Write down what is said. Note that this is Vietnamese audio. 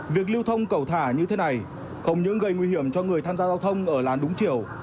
việc lưu thông cầu thả như thế này không những gây nguy hiểm cho người tham gia giao thông ở làn đúng chiều